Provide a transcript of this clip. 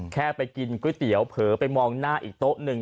แค่ไปกินก๋วยเตี๋ยวเผลอไปมองหน้าอีกโต๊ะหนึ่ง